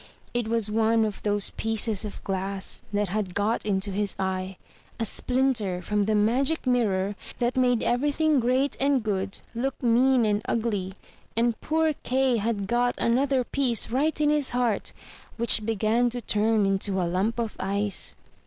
It was one of those pieces of glass that had got into his eye— a splinter from the magic mirror that made everything great and good look mean and ugly; and poor Kay had got another piece right in his heart, which began to turn into a lump of ice.